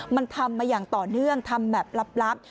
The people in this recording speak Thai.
มันทำมาอย่างต่อเนื่องทำแบบลับ